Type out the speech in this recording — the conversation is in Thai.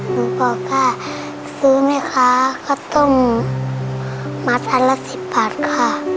หนูบอกว่าซื้อไหมคะขนมมัสอันละ๑๐บาทค่ะ